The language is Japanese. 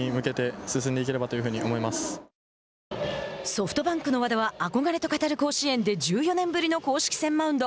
ソフトバンクの和田は憧れと語る甲子園で１４年ぶりの公式戦マウンド。